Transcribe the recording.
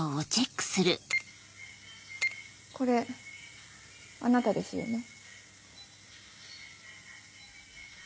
これあなたですよね？